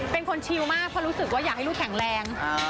เป็นคนสนับว่าเยอะกว่าเพราะรู้สึกว่าอยากให้ลูกแข็งแรง